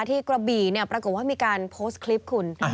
ที่กระบีเนี่ยปรากฎว่ามีการโพสต์คลิปคุณ